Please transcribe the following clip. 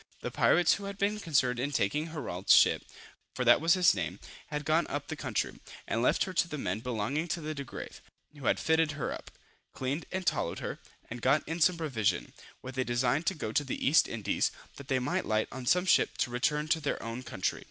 The pirates who had been concerned in taking Herault's ship, for that was his name, had gone up the country, and left her to the men belonging to the Degrave, who had fitted her up, cleaned and tallowed her, and got in some provision, with a design to go to the East Indies, that they might light on some ship to return to their own country.